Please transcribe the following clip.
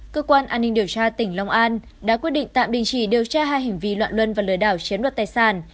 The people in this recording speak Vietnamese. cơ quan an ninh điều tra tỉnh long an đã quyết định tạm đình chỉ điều tra hai hành vi loạn luân và lừa đảo chiếm đoạt tài sản